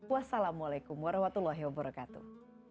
wassalamualaikum warahmatullahi wabarakatuh